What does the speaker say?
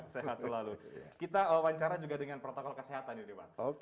sehat selalu kita wawancara juga dengan protokol kesehatan ini pak